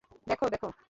দেখ, দেখ!